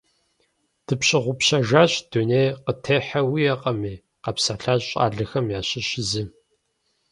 Дыпщыгъупщэжащ, дуней къытехьэ уиӀэкъыми, – къэпсэлъащ щӀалэхэм ящыщ зы.